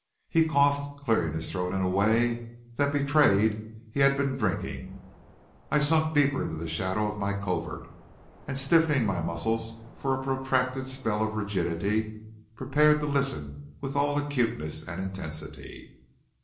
He coughed, clearing his throat in a way that betrayed he had been drinking. I sunk deeper in the shadow of my covert, and stiffening my muscles for a protracted spell of rigidity, prepared to listen with all acuteness and intensity.